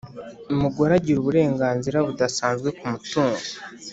umugore agira uburenganzira budasanzwe k’umutungo